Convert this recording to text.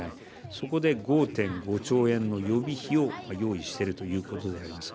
そこで５．５兆円予備費を用意してるということであります。